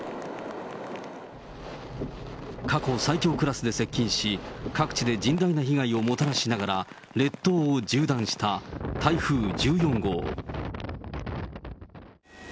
過去最強クラスで接近し、各地で甚大な被害をもたらしながら、列島を縦断した台風１４号。